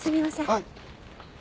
はい？